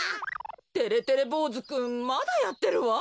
てれてれぼうずくんまだやってるわ。